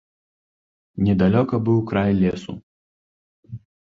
Недалёка быў край лесу.